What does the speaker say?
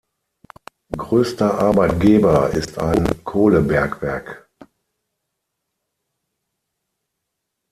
Größter Arbeitgeber ist ein Kohlebergwerk.